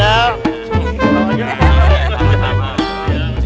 selamat malam ji